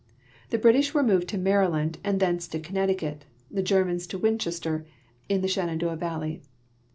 The British were moved to Maryland and thence to Connecticut; the Germans to Winchester, in the Shen andoah valley.